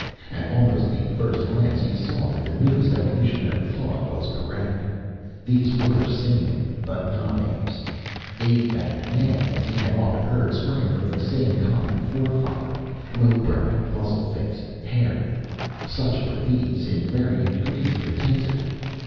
At almost the first glance he saw that the newest evolutionary thought was correct these were simian, but not apes. Ape and man, as he had often heard, sprang from the same common fore father, low browed, muzzle faced, hairy. Such were these, in varying degrees of intensity.